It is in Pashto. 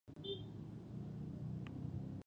تر نن ورځې پورې اکثره